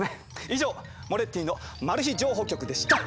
以上「モレッティの情報局」でした！